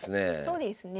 そうですね。